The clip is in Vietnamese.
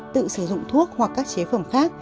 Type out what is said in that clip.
tự sử dụng thuốc hoặc các chế phẩm khác